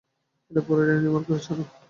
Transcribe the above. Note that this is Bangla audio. এটা পুরাই ডাইনি মার্কা আচরণ।